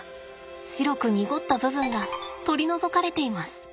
白く濁った部分が取り除かれています。